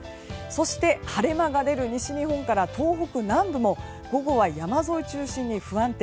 そして、晴れ間が出る西日本から東北南部も午後は山沿いを中心に不安定。